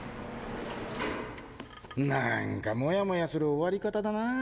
なーんかモヤモヤする終わり方だな。